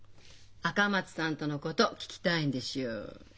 赤松さんとのこと聞きたいんでしょう？